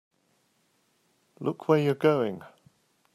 Look where you're going!